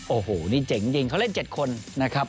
โอ้โหนี่เจ๋งจริงเขาเล่น๗คนนะครับ